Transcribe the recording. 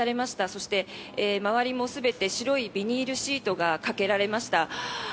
そして周りも全て白いビニールシートがかけられました。